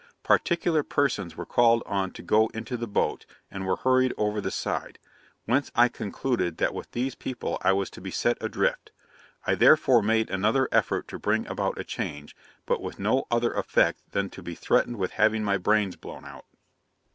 Particular persons were called on to go into the boat and were hurried over the side; whence I concluded that with these people I was to be set adrift. I therefore made another effort to bring about a change, but with no other effect than to be threatened with having my brains blown out.